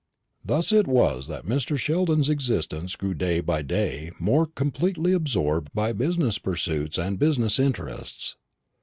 Thus it was that Mr. Sheldon's existence grew day by day more completely absorbed by business pursuits and business interests.